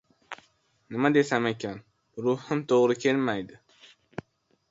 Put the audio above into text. -Nima desam ekan, ruhim to‘g‘ri kelmaydi.